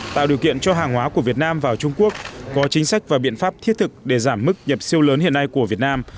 tạo điều kiện cho hàng hóa của việt nam vào trung quốc có chính sách và biện pháp thiết thực để giảm mức nhập siêu lớn hiện nay của việt nam